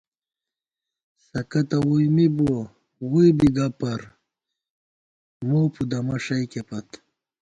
سَکہ تہ ووئی می بُوَہ ووئی بی گہ پَر ، مُو پُدَمہ ݭَئیکے پت